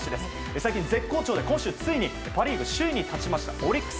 最近、絶好調で今週ついにパ・リーグ首位に立ちましたオリックス。